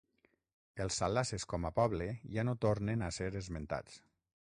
Els salasses com a poble ja no tornen a ser esmentats.